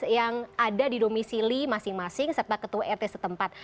yang ada di domisili masing masing serta ketua rt setempat